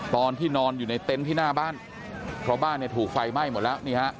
ตอนที่นอนอยู่ในเต็นต์ที่หน้าบ้านเพราะบ้านเนี่ยถูกไฟไหม้หมดแล้วนี่ฮะ